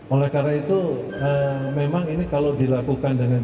oleh karena itu memang ini kalau dilakukan dengan